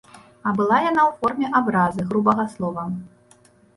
А была яна ў форме абразы, грубага слова.